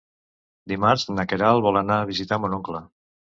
Dimarts na Queralt vol anar a visitar mon oncle.